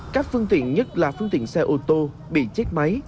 các phương tiện nhất là phương tiện xe ô tô bị chết máy